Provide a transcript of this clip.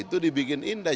itu dibikin indah